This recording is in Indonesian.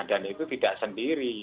dan itu tidak sendiri